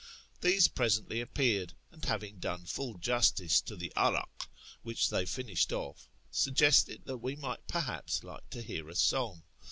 These presently appeared, and, having done full justice to the 'arah, which they finished off" suggested that we might perhaps like to hear a song.